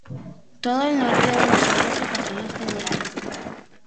Todo el norte de Buenos Aires se pasó a los federales.